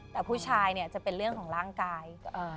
แต่ผู้ชายเนี่ยจะเป็นเรื่องของร่างกาย